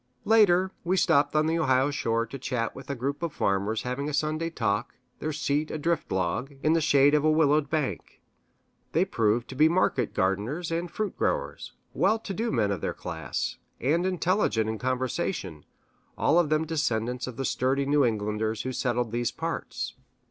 Later, we stopped on the Ohio shore to chat with a group of farmers having a Sunday talk, their seat a drift log, in the shade of a willowed bank. They proved to be market gardeners and fruit growers well to do men of their class, and intelligent in conversation; all of them descendants of the sturdy New Englanders who settled these parts.